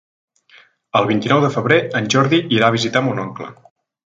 El vint-i-nou de febrer en Jordi irà a visitar mon oncle.